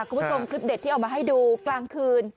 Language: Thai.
คุณผู้ชมคลิปเด็ดที่เอามาให้ดูกลางคืน